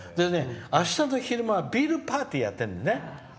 あしたの昼間はビールパーティーやってるのね。